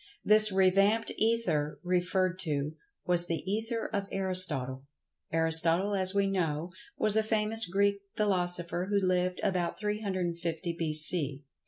This revamped Ether, referred to, was the "Ether of Aristotle." Aristotle, as we know, was a famous Greek philosopher who lived about 350 b.c.